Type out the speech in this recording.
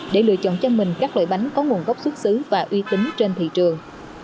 để lựa chọn cho mình các loại bánh có nguồn gốc xuất xứ và uy tín trên thị trường